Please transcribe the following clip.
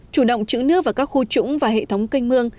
chủ động chữ nước vào các khu trũng và hệ thống canh mương